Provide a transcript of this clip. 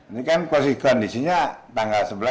ini kan kondisinya tanggal sebelas